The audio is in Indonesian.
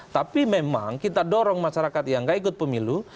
tapi memang kita dorong masyarakat yang nggak ikut pemilu